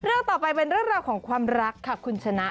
เรื่องต่อไปเป็นเรื่องราวของความรักค่ะคุณชนะ